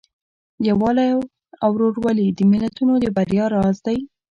یووالی او ورورولي د ملتونو د بریا راز دی.